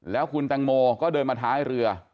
แล้วคุณแตงโมก็เดินมาท้ายเรือ